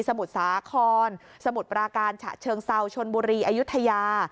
มุทรสาครสมุทรปราการฉะเชิงเซาชนบุรีอายุทยา